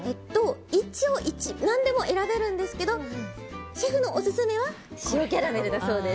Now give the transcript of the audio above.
一応何でも選べるんですがシェフのオススメは塩キャラメルだそうです。